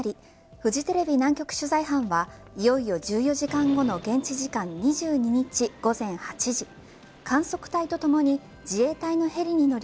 フジテレビ南極取材班はいよいよ１４時間後の現時時間２２日午前８時観測隊とともに自衛隊のヘリに乗り